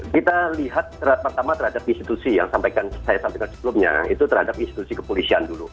kita lihat pertama terhadap institusi yang saya sampaikan sebelumnya itu terhadap institusi kepolisian dulu